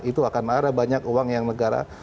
itu akan ada banyak uang yang negara